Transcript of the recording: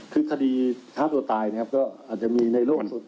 คือคดีฆ่าตัวตายนะครับก็อาจจะมีในโลก